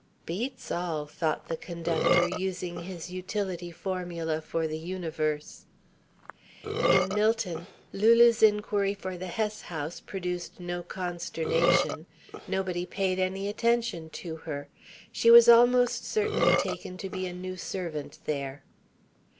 "Beats all," thought the conductor, using his utility formula for the universe. In Millton Lulu's inquiry for the Hess House produced no consternation. Nobody paid any attention to her. She was almost certainly taken to be a new servant there.